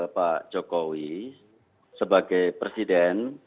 pak jokowi sebagai presiden